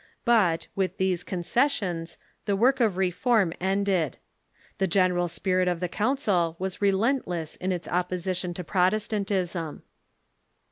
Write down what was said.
But, with these concessions, the work of reform ended. The general spirit of the council was relentless in its opposition to Protestantism.